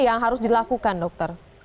yang harus dilakukan dokter